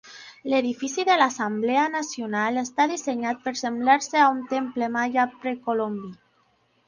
L'edifici de l'Assemblea Nacional està dissenyat per semblar-se a un temple maia precolombí.